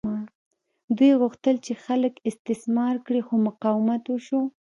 دوی غوښتل چې خلک استثمار کړي خو مقاومت وشو.